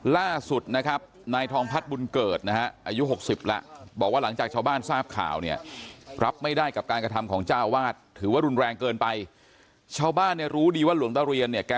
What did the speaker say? ล่าสุดนะครับนายทองพัฒน์บุญเกิดนะฮะอายุ๖๐ละ